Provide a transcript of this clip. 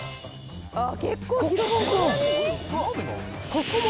ここも、